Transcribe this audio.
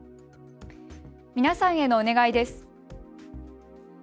皆さんへのお願いです。